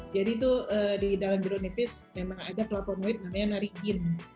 jadi itu di dalam jeruk nipis memang ada keloponuit namanya narigin